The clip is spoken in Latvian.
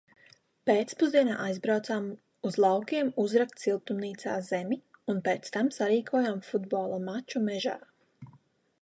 Pēcpusdienā aizbraucām uz laukiem uzrakt siltumnīcā zemi un pēc tam sarīkojām futbola maču mežā.